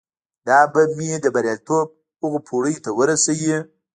دا به مو د برياليتوب هغو پوړيو ته ورسوي.